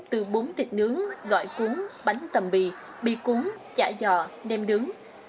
từ bún thịt nướng gỏi cuốn bánh tầm bì bì cuốn chả giò đem nướng